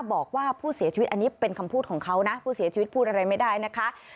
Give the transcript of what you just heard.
บอกว่าผู้เสียชีวิตอันนี้เป็นคำพูดของเขานะผู้เสียชีวิตพูดอะไรไม่ได้นะคะ